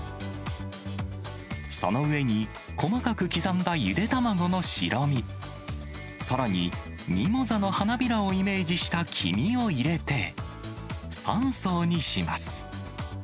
その上に、細かく刻んだゆで卵の白身、さらにミモザの花びらをイメージした黄身を入れて、３層にします。